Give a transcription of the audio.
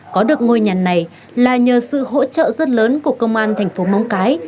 có được ngôi nhà này là nhờ sự hỗ trợ rất lớn của công an thành phố móng cái